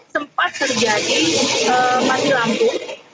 sempat terjadi masih lampu